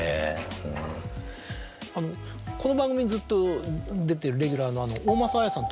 この番組にずっと出てるレギュラーの大政絢さんと。